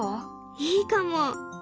いいかも。